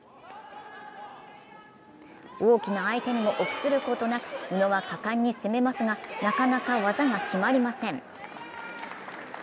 大きな相手にも臆することなく宇野は果敢に攻めますがなかなか技が決まりません。